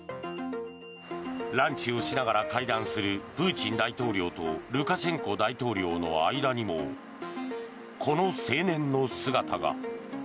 ランチをしながら会談するプーチン大統領とルカシェンコ大統領の間にもこの青年の姿が。